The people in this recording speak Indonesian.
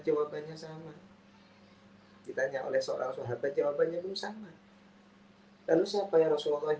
jawabannya sama ditanya oleh seorang sohabat jawabannya sama lalu siapa ya rasulullah yang